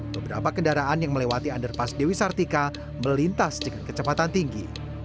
beberapa kendaraan yang melewati underpass dewi sartika melintas dengan kecepatan tinggi